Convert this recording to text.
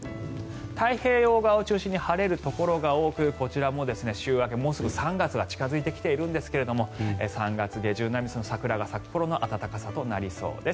太平洋側を中心に晴れるところが多くこちらも週明け、もうすぐ３月が近付いてきているんですが３月下旬並み、桜が咲く頃の暖かさとなりそうです。